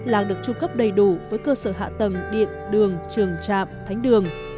làng được tru cấp đầy đủ với cơ sở hạ tầng điện đường trường trạm thánh đường